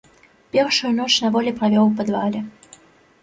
Першую ноч на волі правёў у падвале.